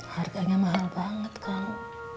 harganya mahal banget kamu